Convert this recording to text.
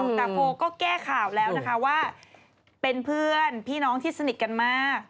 แต่โฟก็แก้ข่าวแล้วนะคะว่าเป็นเพื่อนพี่น้องที่สนิทกันมาก